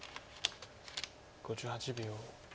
５８秒。